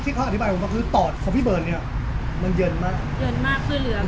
คือเหลือปอดอยู่ข้างเดียวซึ่งข้างเดียวเนี่ยเขาต้องเจอเชื้อโรคที่มันจะทั้งค่างเยอะค่ะ